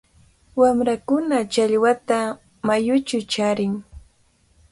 Wamrakuna challwata mayuchaw charin.